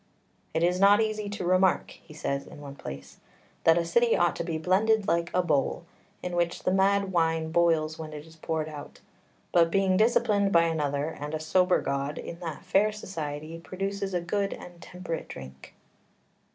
"It is not easy to remark" (he says in one place) "that a city ought to be blended like a bowl, in which the mad wine boils when it is poured out, but being disciplined by another and a sober god in that fair society produces a good and temperate drink."